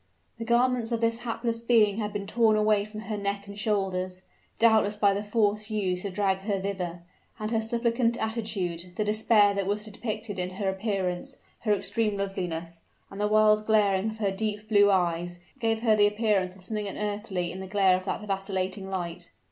The garments of this hapless being had been torn away from her neck and shoulders, doubtless by the force used to drag her thither: and her suppliant attitude, the despair that was depicted by her appearance, her extreme loveliness, and the wild glaring of her deep blue eyes, gave her the appearance of something unearthly in the glare of that vacillating light.